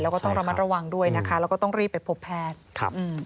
เราก็ต้องระมัดระวังด้วยนะคะเราก็ต้องรีบไปพบแพทย์